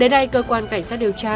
đến đây cơ quan cảnh sát điều tra